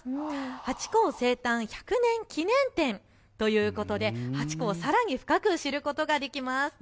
ハチ公生誕１００年記念展ということでハチ公をさらに深く知ることができます。